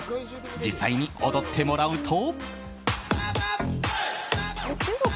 実際に踊ってもらうと。